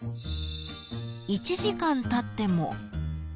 ［１時間たっても］